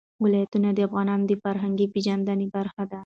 ولایتونه د افغانانو د فرهنګي پیژندنې برخه ده.